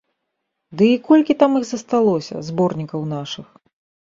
Ды і колькі там іх засталося, зборнікаў нашых?